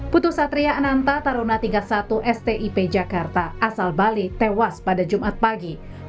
putu satria ananta taruna tingkat satu stip jakarta asal bali tewas pada jumat pagi